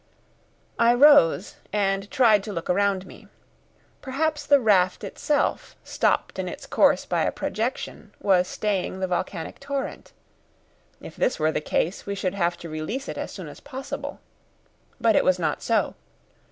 I rose, and tried to look around me. Perhaps the raft itself, stopped in its course by a projection, was staying the volcanic torrent. If this were the case we should have to release it as soon as possible. But it was not so.